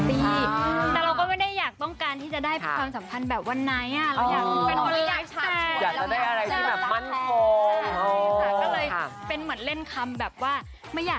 เพราะว่าแบบตอนนี้ก็เริ่มเป็นสาวแล้วเนาะ